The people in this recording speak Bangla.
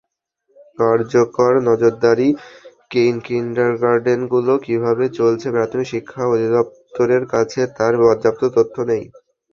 কার্যকর নজরদারি নেইকিন্ডারগার্টেনগুলো কীভাবে চলছে, প্রাথমিক শিক্ষা অধিদপ্তরের কাছে তার পর্যাপ্ত তথ্য নেই।